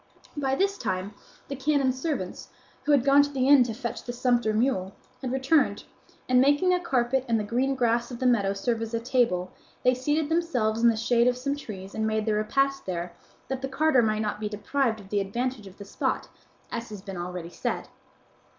By this time the canon's servants, who had gone to the inn to fetch the sumpter mule, had returned, and making a carpet and the green grass of the meadow serve as a table, they seated themselves in the shade of some trees and made their repast there, that the carter might not be deprived of the advantage of the spot, as has been already said.